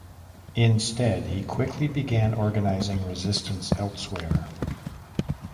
Instead, he quickly began organising resistance elsewhere.